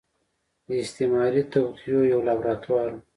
د استعماري توطيو يو لابراتوار و.